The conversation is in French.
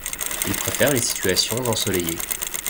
Il préfère les situations ensoleillées.